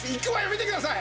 見てください。